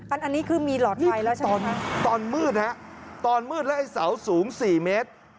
อันนี้คือมีหลอดไฟแล้วใช่ไหมครับตอนมืดแล้วไอ้เสาสูง๔เมตร